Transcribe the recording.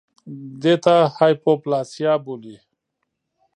دې ته هایپوپلاسیا بولي